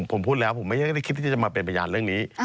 ผมพูดแล้วผมไม่ได้คิดที่จะมาเป็นพยานเรื่องนี้